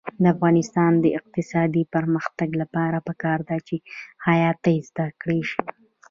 د افغانستان د اقتصادي پرمختګ لپاره پکار ده چې خیاطۍ زده شي.